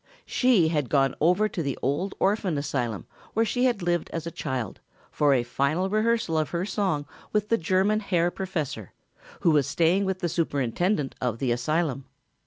She had gone over to the old orphan asylum where she had lived as a child, for a final rehearsal of her song with the German Herr Professor, who was staying with the superintendent of the asylum.